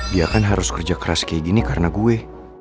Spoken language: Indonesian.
dia kan harus kerja keras kayak gini karena gue